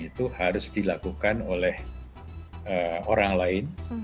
itu harus dilakukan oleh orang lain